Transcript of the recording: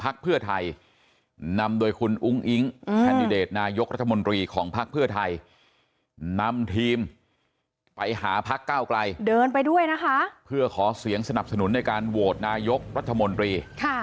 เราก็ยันว่านเป็นการววดนายกรัฐมนตรี